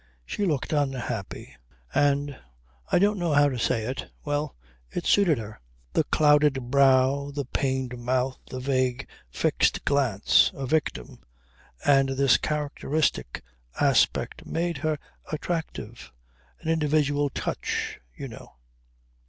She looked unhappy. And I don't know how to say it well it suited her. The clouded brow, the pained mouth, the vague fixed glance! A victim. And this characteristic aspect made her attractive; an individual touch you know.